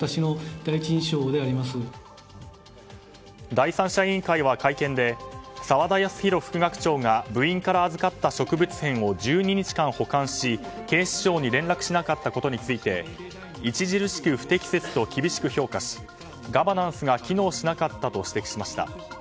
第三者委員会は会見で沢田康広副学長が部員から預かった植物片を１２日間保管し警視庁に連絡しなかったことについて著しく不適切と厳しく評価しガバナンスが機能しなかったと指摘しました。